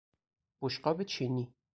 بشقاب چینی